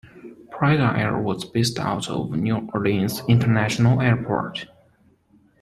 Pride Air was based out of New Orleans International Airport.